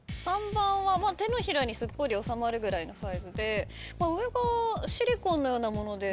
３番は手のひらにすっぽり収まるぐらいのサイズで上がシリコンのようなもので。